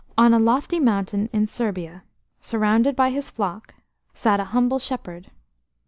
A LOFTY mountain in Serbia, surrounded by his flock, sat a humble shepherd.